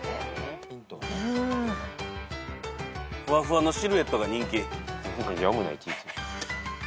「ふわふわのシルエットが人気」